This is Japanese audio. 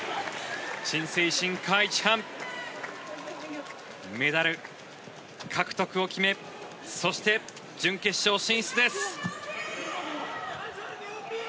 チン・セイシン、カ・イチハンメダル獲得を決めそして、準決勝進出です。